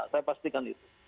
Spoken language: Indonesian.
saya pastikan itu